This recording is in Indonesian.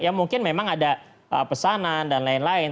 ya mungkin memang ada pesanan dan lain lain